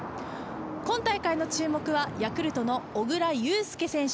今大会の注目はヤクルトの小椋裕介選手。